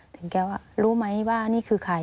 แต่แกว่ารู้มั้ยว่านี่คือใคร